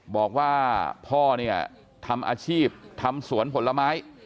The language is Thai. บอกว่าพ่อเนี่ยทำอาชีพทำสวนผลไม้